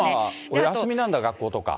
埼玉がお休みなんだ、学校とか。